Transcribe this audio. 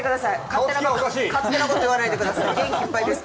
勝手なこと言わないでください。